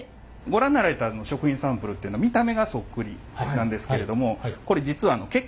ご覧になられた食品サンプルっていうのは見た目がそっくりなんですけれどもこれ実はへえ！